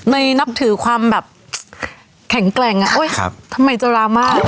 ในนับถือความแบบแข็งแกร่งอ่ะอุ๊ยครับทำไมจะรามาก